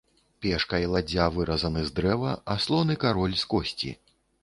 Пешка і ладдзя выразаны з дрэва, а слон і кароль з косці.